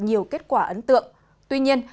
nhiều kết quả ấn tượng tuy nhiên